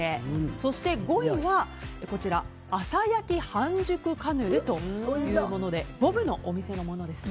そして５位は朝焼き半熟カヌレというものでｂｏＢのお店のものですね。